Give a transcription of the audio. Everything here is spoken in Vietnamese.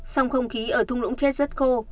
song không khí ở thung lũng chết rất khô